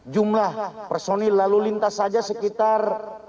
jumlah personel lalu lintas saja sekitar satu tiga ratus